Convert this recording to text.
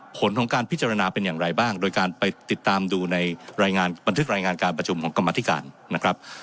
ผลของการพิจารณาเป็นอย่างไรบ้างโดยการไปติดตามดูในรายงานบันทึกรายงานการประชุมของกรรมธิการนะครับ